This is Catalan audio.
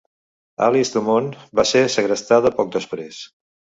Alice Domon va ser segrestada poc després.